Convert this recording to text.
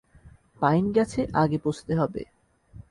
Pine গাছে আগে পৌঁছতে হবে।